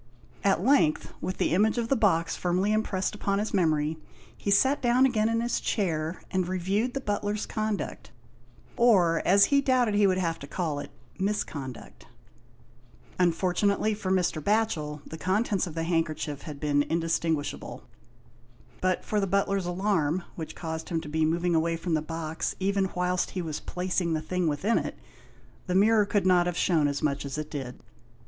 At length, with the image of the box firmly impressed upon his memory, he sat down again in his chair, and reviewed the butler's conduct, or as he doubted he would have to call it, misconduct. Unfortunately for Mr. Batchel, the contents of the handkerchief had been indistinguishable. But for the butler's alarm, which caused him to be moving away from the box even whilst he was placing the thing within it, the mirror could not have shewn as much as it did.